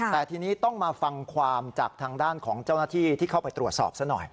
แต่ทีนี้ต้องมาฟังความจากทางด้านของเจ้าหน้าที่ที่เข้าไปตรวจสอบซะหน่อย